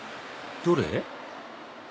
どれ？